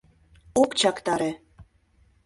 Ок чактаре;